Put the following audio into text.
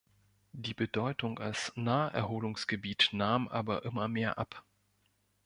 Die Bedeutung als Naherholungsgebiet nahm aber immer mehr ab.